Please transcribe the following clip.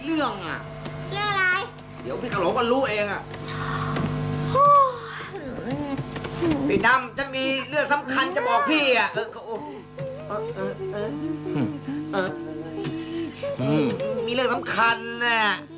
อุ้งมีเรื่องสำคัญน่ะ